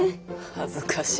恥ずかし。